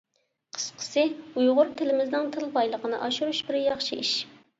قىسقىسى، ئۇيغۇر تىلىمىزنىڭ تىل بايلىقىنى ئاشۇرۇش بىر ياخشى ئىش.